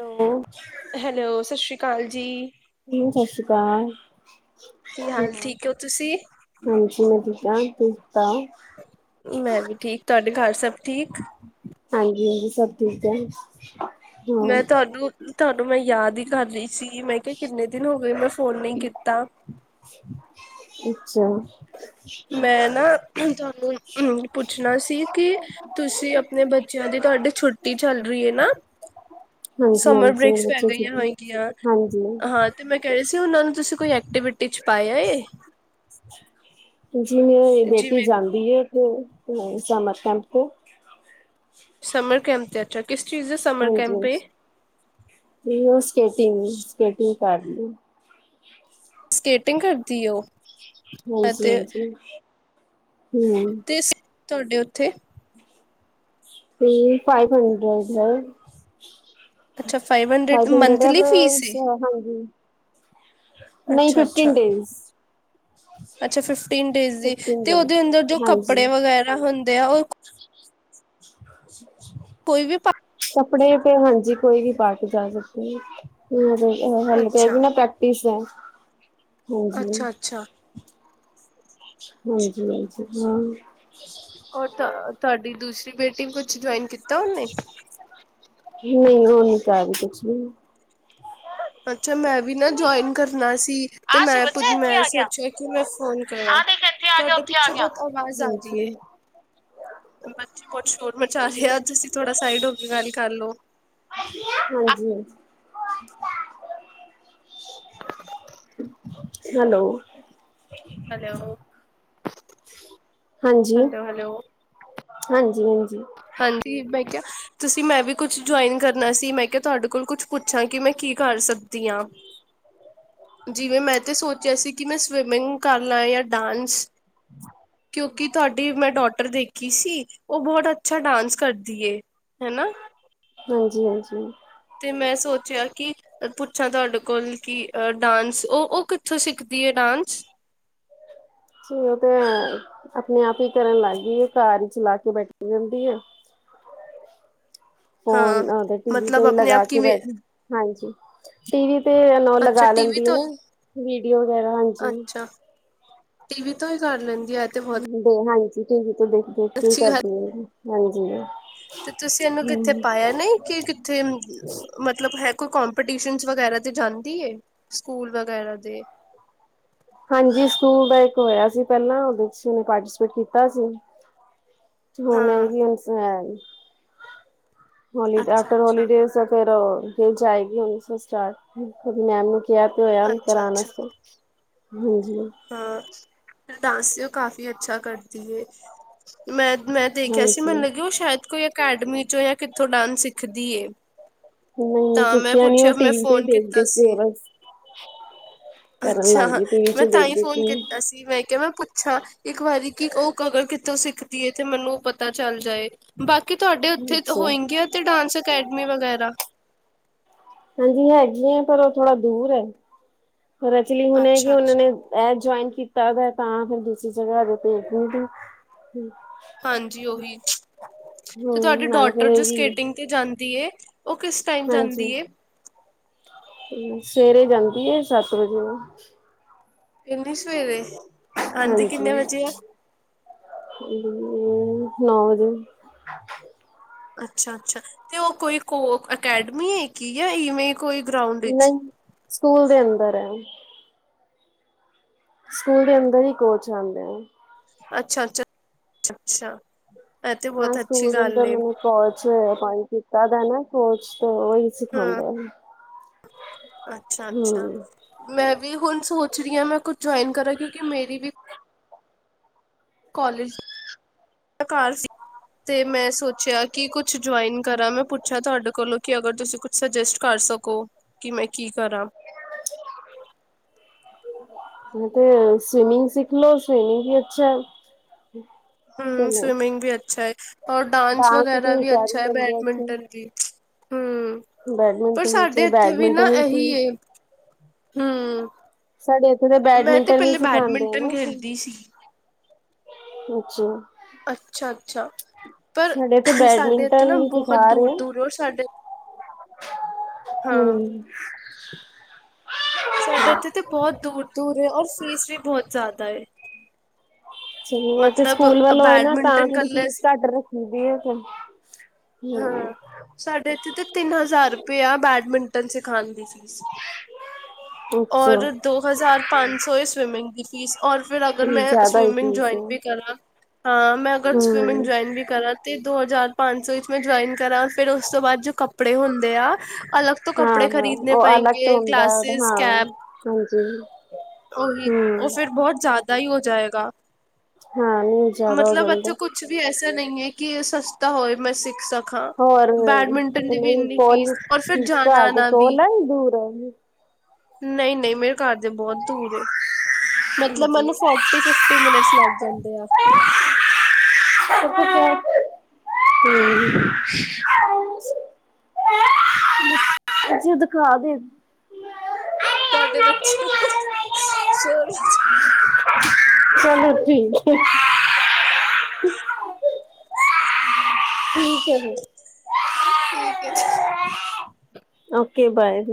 Hello! Hello! ਸਤਿ ਸ਼੍ਰੀ ਅਕਾਲ ਜੀ। ਸਤਿ ਸ਼੍ਰੀ ਅਕਾਲ। ਕੀ ਹਾਲ ਠੀਕ ਹੋ ਤੁਸੀਂ? ਹਾਂਜੀ ਮੈਂ ਠੀਕ ਹਾਂ ਤੁਸੀ। ਮੈਂ ਵੀ ਠੀਕ ਤੁਹਾਡੇ ਘਰ ਸਭ ਠੀਕ। ਹਾਂਜੀ! ਹਾਂਜੀ! ਸਭ ਠੀਕ ਹੈ। ਹਾਂ ਮੈਂ ਤੁਹਾਨੂੰ, ਤੁਹਾਨੂੰ ਮੈਂ ਯਾਦ ਹੀ ਕਰ ਰਹੀ। ਸੀ ਮੈਂ ਕਿਹਾ ਕਿੰਨੇ ਦਿਨ ਹੋ ਗਏ ਮੈਂ ਫ਼ੋਨ ਨਹੀਂ ਕੀਤਾ। ਅੱਛਾ! ਮੈਂ ਨਾ। ਤੁਹਾਨੂੰ ਅ ਪੁੱਛਣਾ ਸੀ। ਕਿ ਤੁਸੀਂ ਆਪਣੇ ਬੱਚਿਆਂ ਦੇ ਤੁਹਾਡੇ। ਛੁੱਟੀ ਚੱਲ ਰਹੀ ਹੈ ਨਾ ਹਾਂਜੀ ਸਮਰ ਹਾਂਜੀ ਮੇਰੇ ਬ੍ਰੇਕਸ ਪੈ ਬੱਚੇ ਗਈਆਂ ਠੀਕ ਹੈ। ਹੋਗੀਆਂ। ਹਾਂਜੀ ਹਾਂ! ਤੇ ਮੈਂ ਕਹਿ ਰਹੀ ਸੀ। ਉਹਨਾਂ ਨੂੰ ਤੁਸੀਂ ਕੋਈ ਐਕਟੀਵਿਟੀ 'ਚ ਪਾਇਆ ਏ। ਜੀ ਮੇਰੀ ਬੇਟੀ ਜਿਵੇਂ ਜਾਂਦੀ ਹੈ। ਕਿ ਸਮਰ ਕੈਂਪ ਤੇ। ਸਮਰ ਕੈਂਪ ਤੇ ਅੱਛਾ। ਕਿਸ ਚੀਜ਼ ਦਾ ਸਮਰ ਹਾਂਜੀ! ਕੈਂਪ ਏ ਹਾਂਜੀ! ਤੇ ਉਹ ਸਕੇਟਿੰਗ ਸਕੇਟਿੰਗ ਕਰ ਲਈ। ਸਕੇਟਿੰਗ ਕਰਦੀ ਉਹ। ਹਾਂਜੀ, ਅਤੇ ਹਾਂਜੀ ਹੂੰ ਤੇ ਤੁਹਾਡੇ ਉੱਥੇ? ਹੂੰ, ਫਾਈਵ ਹੰਡਰੇਡਜ। ਅੱਛਾ hundred five monthly fees hundreds ਏ ਹਾਂਜੀ। ਨਹੀਂ ਅੱਛਾ ਫਿਫਟੀਨ ਅੱਛਾ ਡੇਸ। ਅੱਛਾ ਫਿਫਟੀਨ ਡੇਜ ਦੀ ਫਿਫਟੀਨ ਤੇ ਡੇਜ਼ ਓਦੇ ਅੰਦਰ ਜੋ ਹਾਂਜੀ ਕੱਪੜੇ ਵਗੈਰਾ ਹੁੰਦੇ ਆ ਉਹ। ਅੱਛਾ ਅੱਛਾ। ਕੋਈ ਵੀ ਪ। ਕੱਪੜੇੇ ਤੇ ਹਾਂਜੀ ਕੋਈ ਵੀ ਪਾ ਕੇ ਜਾ ਸਕਦੇ ਨੇ ਹਾਲੇ ਤਾਂ ਅੱਛਾ ਏਹੀ ਨਾ ਪ੍ਰੈਕ ਟਿਸ ਹੈ ਹਾਂਜੀ। ਅੱਛਾ ਅੱਛਾ ਹਾਂਜੀ ਹਾਂਜੀ ਹਾਂ। ਤੁਹਾਡੀ ਦੂਸਰੀ ਬੇਟੀ ਕੁਝ ਜੁਆਇਨ ਕੀਤਾ ਉਹਨੇ। ਨਹੀਂ ਉਹ ਨਹੀਂ ਕਰ ਰਹੀ ਕੁਛ ਵੀ। ਅੱਛਾ ਮੈਂ ਵੀ ਨਾ ਜੁਆਇਨ ਕਰਨਾ ਸੀ। ਤੇ ਆ ਸੀ ਮੈਂ ਬੱਚਾ ਇੱਥੇ ਆ ਗਿਆ, ਸੋਚਿਆ ਕਿ ਮੈਂ ਫੋਨ ਕਰਾਂ ਆ ਦੇਖ ਇੱਥੇ ਆ ਗਿਆ, ਤੁਹਾਡੇ ਉੱਥੇ ਆ ਪਿੱਛੇ ਗਿਆ। ਬਹੁਤ ਆਵਾਜ਼ ਆ ਰਹੀ ਏ। ਹਾਂਜੀ, ਬੱਚੇ ਬਹੁਤ ਸ਼ੋਰ ਮਚਾ ਰਹੇ ਆ ਤੁਸੀ ਥੋੜਾ ਸਾਈਡ ਹੋਕੇ ਗੱਲ ਕਰਲੋ। ਹਾਂਜੀ। ਹੈਲੋ। ਹੈਲੋ ਹਾਂਜੀ। ਹੈਲੋ ਹੈਲੋ ਹਾਂਜੀ-ਹਾਂਜੀ। ਹਾਂਜੀ ਮੈਂ ਕਹਿਆ। ਤੁਸੀਂ ਮੈਂ ਵੀ ਕੁਝ ਜੁਆਇਨ ਕਰਨਾ ਸੀ ਮੈਂ ਕਿਹਾ ਤੁਹਾਡੇ ਕੋਲ ਕੁਝ ਪੁੱਛਾਂ ਕਿ ਮੈਂ ਕੀ ਕਰ ਸਕਦੀ ਆਂ। ਜਿਵੇਂ ਮੈਂ ਤੇ ਸੋਚਿਆ ਸੀ ਕਿ ਮੈਂ ਸਵਿਮਿੰਗ ਕਰ ਲਾ ਯਾ ਡਾਂਸ। ਹਮ। ਕਿਉਂਕਿ ਤੁਹਾਡੀ ਮੈਂ ਡੋਟਰ ਦੇਖੀ ਸੀ ਉਹ ਬਹੁਤ ਅੱਛਾ ਡਾਂਸ ਕਰਦੀ ਏ ਹੈਨਾ। ਹਾਂਜੀ-ਹਾਂਜੀ। ਤੇ ਮੈਂ ਸੋਚਿਆ ਕੀ। ਪੁੱਛਾਂ ਤੁਹਾਡੇ ਕੋਲ ਕੀ ਡਾਂਸ ਉਹ ਉਹ ਕਿਥੋਂ ਸਿੱਖਦੀ ਏ ਡਾਂਸ। ਜਿ ਉਹ ਤੇ ਆਪਣੇ ਆਪ ਹੀ ਕਰਨ ਲੱਗ ਗਈ ਘਰ ਹੀ ਚਲਾ ਕੇ ਬੈਠੀ ਰੇਂਧੀ ਏ। [inaudible] ਫੋਨ ਹਾਂ ਅਤੇ ਟੀਵੀ ਤੇ ਮਤਲਬ ਵੀ ਆਪਣੇ ਲਗਾ ਆਪ ਕੇ ਕਿਵੇਂ ਬੈਠੀ। ਹਾਂਜੀ ਟੀਵੀ ਦੇ ਨਾਲ ਅੱਛਾ ਲਗਾ ਟੀਵੀ ਲੈਂਦੀ ਏ ਤੋਂ ਹੀ ਨਾ ਵੀਡੀਓ ਵਗੈਰਾ ਹਾਂਜੀ। ਅੱਛਾ ਟੀਵੀ ਤੇ ਕਰ ਲੈਂਦੀ ਏ ਐਤੇ। ਹਾਂਜੀ ਟੀਵੀ ਤੋ ਦੇਖ ਦੇਖ ਕੇ ਹੀ ਅੱਛੀ ਗੱਲ ਕਰਦੀ ਏ ਹਾਂਜੀ। ਤੇ ਤੁਸੀ ਐਨੂ ਕਿਥੇ ਹਮ ਪਾਇਆ ਨਹੀਂ ਕੇ ਕਿਥੇ। ਮਤਲਬ ਹੈ ਕੋਈ ਕੋਂਪੀਟੀਸ਼ਨਸ ਵਗੈਰਾ ਤੇ ਜਾਂਦੀ ਏ ਸਕੂਲ ਵਗੈਰਾ ਤੇ। ਹਾਂਜੀ ਸਕੂਲ ਦਾ ਇਕ ਹੋਇਆ ਸੀ ਪਹਿਲਾਂ ਓਹਦੇ ਚ ਪਾਰਟੀਸਪੇਟ ਕੀਤਾ ਸੀ। ਹੁਣ ਹਾਂ ਹੈਗੀ ਹੁਣ [unintelligible] ਹੌਲੀਡੇ ਅੱਛਾ ਆਫਟਰ ਅੱਛਾ ਹੌਲੀਡੇ ਫਿਰ ਜਾਏਗੀ ਫਿਰ ਸਟਾਰਟ ਮੈਮ ਨੂੰ। ਕਿਹਾ ਤੇ ਹੋਇਆ ਓਹਨੂੰ ਅੱਛਾ ਕਰਾਨ ਅੱਛਾ ਵਾਸਤੇ ਹਾਂਜੀ। ਹਾਂ ਡਾਂਸ ਤੇ ਉਹ ਕਾਫੀ ਅੱਛਾ ਕਰਦੀ ਏ ਮੈਂ ਮੈਂ। ਦੇਖਿਆ ਸੀ ਹਾਂਜੀ ਮੈਨੂੰ ਲਗਿਆ ਉਹ ਸ਼ਇਦ ਕੋਈ ਐਕੈਡਮੀ ਚੋਂ ਯਾ ਕਿਥੋਂ ਡਾਂਸ ਸਿੱਖਦੀ ਏ। ਨਹੀਂ ਤਾਂ ਮੈਂ ਸਿੱਖਿਆ ਨਹੀਂ ਉਹ ਪੁੱਛਿਆ ਮੈਂ ਟੀਵੀ ਫੋਨ ਦੇਖ ਕੀਤਾ ਦੇਖ ਸੀ ਕੇ ਬਸ। ਕਰਨ ਲੱਗ ਗਈ ਟੀਵੀ ਚੋਂ ਦੇਖ ਦੇਖ ਕੇ ਹੀ। ਕੀ ਵੇਖ ਕੇ ਮੈਂ ਪੁਛਾ। ਇਕ ਵਾਰੀ ਕੀ ਉਹ ਅਗਰ ਕਿਥੋਂ ਸਿੱਖਦੀ ਏ ਤੇ ਮੈਨੂੰ ਪਤਾ ਚੱਲ ਜਾਏ। ਬਾਕੀ ਤੁਹਾਡੇ ਓਥੇ ਤੇ ਅੱਛਾ ਹੋਏਗੀਆਂ ਤੇ ਡਾਂਸ ਐਕੈਡਮੀ ਵਗੈਰਾ। ਹਾਂਜੀ ਹੈਗੀਆਂ ਪਰ ਉਹ ਥੋੜਾ ਦੂਰ ਐ ਪਰ ਐਕਚੂਲੀ ਹੁਣੇ ਕੀ ਓਹਨਾ ਅੱਛਾ-ਅੱਛਾ। ਨੇ। ਐ ਜੋਇਨ ਕਿਤਾ ਦੈ ਤਾ ਫਿਰ ਦੁਸਰੀ ਜਗਾਂ ਹਜੇ ਪੇਜ ਨਹੀਂ ਰਹੀ। ਹਾਂਜੀ ਓਹੀ, ਤੇ ਹਮ ਤੁਆਡੀ ਨਾਲੇ ਫੇਰ ਡੋਟਰ ਜੋ ਇਹ ਵੀ ਸਕੇਟਿੰਗ ਤੇ ਜਾਂਦੀ ਏ। ਉਹ ਕਿਸ ਟਾਈਮ ਹਾਂਜੀ, ਜਾਂਦੀ ਏ? ਹੁੰ ਸਵੇਰੇ ਜਾਂਦੀ ਏ ਸੱਤ ਵਜੇ ਨਾਲ। ਇੰਨੀ ਸਵੇਰੇ ਆਂਦੀ ਕਿੰਨੇ ਹਾਂਜੀ। ਵਜੇ ਆ? [unintelligible] ਅੱਛਾ-ਅੱਛਾ ਤੇ ਉਹ ਕੋਈ ਕੋ ਅਕੈਡਮੀ ਏ ਕੀ ਏ ਇਵੇਂ। ਕੋਈ ਗਰਾਊਂਡ। ਵਿੱਚ? ਨਈ ਸਕੂਲ ਦੇ ਅੰਦਰ ਐ। ਸਕੂਲ ਦੇ ਅੰਦਰ ਈ ਕੋਚ ਆਉਂਦੇ ਐ। ਅੱਛਾ-ਅੱਛਾ ਅੱਛਾ-ਅੱਛਾ ਐ ਤੇ ਹਾਂ ਬੋਤ ਸਕੂਲ ਅੱਛੀ ਦੇ ਗੱਲ ਅੰਦਰ ਏ। ਮੈਨੂੰ ਕੋਚ ਅਪਾਇੰਟ ਕੀਤਾ ਦੈ ਨਾ ਕੋਚ ਤੇ ਓਹੀ ਹੂੰ, ਸਿਖਾਂਦੈ ਨੇ। ਅੱਛਾ-ਅੱਛਾ, ਮੈਂ ਵੀ ਹੁਨ ਸੋਚ ਰੀ ਆਂ ਮੈਂ ਕੁੱਜ ਜੋਇਨ ਕਰਾਂ ਕਿਓਂਕਿ ਮੇਰੀ ਵੀ ਕੋਲੇਜ ਮੈ ਘਾਰ ਸੀ ਤੇ ਮੈਂ ਸੋ ਚਿਆ ਕਿ ਕੁੱਛ ਜੋਇਨ ਕਰਾਂ, ਮੈਂ ਪੁੱਛਾ ਤੁਹਾਡੇ ਕੋਲੋਂ ਕਿ ਅਗਰ ਤੁਸੀਂ ਕੁਛ ਸਜੈਸਟ ਕਰ ਸਕੋ, ਕਿ ਮੈਂ ਕੀ ਕਰਾਂ? ਨੀ ਤੇ, ਸਵਿਮਿੰਗ ਸਿੱਖ ਲੋ ਸਵਿਮਿੰਗ ਵੀ ਅੱਛਾ ਐ ਹੂੰ, ਸਵਿਮਿੰਗ ਵੀ ਅੱਛਾ ਏ। ਔਰ ਡਾਂਸ ਵਗੈਰਾ ਤੁਸੀਂ ਵੀ ਕਰ ਅੱਛਾ ਹੀ ਐ, ਲੈਂਦੇ ਹੋ ਅੱਛਾ ਬੈਡਮਿੰਟਨ ਵੀ ਹਮ ਪਰ ਬੈਡਮਿੰਟਨ ਵਿੱਚ ਸਾਡੇ ਐਥੇ ਵੀ ਨਾ ਬੈਡਮਿੰਟਨ ਐਹੀ ਸੀ ਏ, ਹੁੰ ਸਾਡੇ ਐਥੇ ਤਾਂ ਬੈਡਮਿੰਟਨ ਵੀ ਸਿਖਾਂਦੇ ਨੇ ਖੇਲਦੀ ਸੀ ਅੱਛਾ। ਅੱਛਾ-ਅੱਛਾ, ਪਰ ਸਾਡੇ ਇੱਥੇ ਸਾਡੇ ਐਥੇ ਬੈਡਮਿੰਟਨ ਨਾ ਵੀ ਬੋਹਤ ਸਿਖਾ ਰਹੇ ਦੂਰ-ਦੂਰੋ ਔਰ ਸਾਡੇ ਹਾਂ। ਹਮ ਸਾਡੇ ਐਥੇ ਤਾਂ ਬੋਹਤ ਦੂਰ-ਦੂਰ ਏ, ਔਰ ਫੀਸ ਵੀ ਬੋਹਤ ਜ਼ਾਦਾ ਏ। [unintelligible] ਸਕੂਲ ਵੱਲੋਂ ਏ ਨਾ ਤਾਂ ਬੈਡਮਿੰਟਨ ਥੋੜੀ ਕੱਲੇ ਫੀਸ ਘਾਟ ਰੱਖ ਵਦਿਆ ਫੇਰ, ਹਾਂ ਹੂੰ। ਸਾਡੇ ਇੱਥੇ ਤੇ, ਤਿੰਨ ਹਜ਼ਾਰ ਰੁਪਈਆ ਬੈਡਮਿੰਟਨ ਸਿਖਾਨ ਦੀ ਫੀਸ। ਅੱਛਾ ਔਰ ਦੋ ਹਜ਼ਾਰ ਪੰਜ ਸੌ ਏ ਸਵਿਮਿੰਗ ਦੀ ਫੀਸ। ਔਰ ਫਿਰ ਅਗਰ ਮੈਂ ਜ਼ਿਆਦਾ ਹੀ ਸਵੀਮਿੰਗ ਫੀਸ ਜੋਇਨ ਹੈ ਵੀ ਕਰਾ ਹਾਂ ਮੈਂ ਅਗਰ ਸਵੀਮਿੰਗ ਹਮ ਜੋਇਨ ਵੀ ਕਰਾਂ ਤੇ ਦੋ ਹਜ਼ਾਰ ਪੰਜ ਸੌ ਇਚ ਮੈਂ ਜੋਇਨ ਕਰਾਂ, ਫਿਰ ਓਸ ਤੋਂ ਬਾਦ ਜੋ ਕੱਪੜੇ ਹੁੰਦੇ ਆ, ਅਲੱਗ ਤੋ ਹਾਂ ਕੱਪੜੇ ਹਾਂ ਖਰੀਦਨੇ ਉਹ ਅਲੱਗ ਤੋਂ ਪਏਂਗੇ, ਹੁੰਦਾ ਗਲਾਸਿਸ, ਹਾਂ ਕੈਪ ਹਾਂਜੀ ਓਹੀ, ਓ ਹਮ ਫੇਰ ਬੋਹਤ ਜਾ ਦਾ ਹੋ ਜਾਏਗਾ, ਹਾਂ ਨਹੀਂ ਜ਼ਿਆਦਾ ਹੋ ਮਤਲਬ ਜਾਂਦਾ ਅੱਛਾ, ਕੁਛ ਵੀ ਐਸਾ ਨਈ ਏ ਕਿ ਸਸ ਤਾ ਹੋਏ ਮੈ ਸਿਖ ਸੱਖਾ, ਹੋਰ ਬੈਡਮਿੰਟਨ ਦੀ ਵੀ ਨਹੀਂ ਇਨੀ ਕੋਲ ਫੀਸ ਔਰ ਫੇਰ ਜਾਨਾ ਘਰ ਦੇ ਆਨਾ ਵੀ ਕੋਲ ਆ ਦੂਰ ਆ ਨਈ-ਨਈ ਮੇਰੇ ਘਰ ਤੇ ਬੋਤ ਦੂਰ ਏ, ਮਤਲਬ ਹਾਂਜੀ ਮੈਨੂੰ ਫੋਟੀ-ਫਿਫਟੀ ਟੀ ਮਿਨਟਸ ਲਗ ਜਾਂਦੇ ਆ [inaudible] ਸਤਿ ਸ਼੍ਰੀ ਅਕਾਲ। [inaudible] ਤੇ [unintelligible] ਦਖਾ ਦੇ ਤੁਆਡੇ ਬੱਚੇ [unintelligible] ਸ਼ੋਰ [unintelligible] ਚਲੋ ਠੀਕ ਏ। [inaudible] ਹ-ਹ ਠੀਕ ਹੈ ਜੀ, ਠੀਕ ਹੈ। Okay bye.